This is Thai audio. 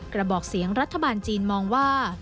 กระบอกเสียงรัฐบาลจีนมองว่า